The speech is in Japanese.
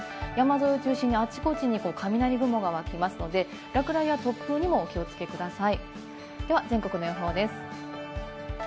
山沿いを中心にあちこちに雷雲がわきますので、落雷や突風にもお気をつけください。